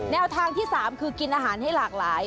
แนวทางที่๓คือกินอาหารให้หลากหลาย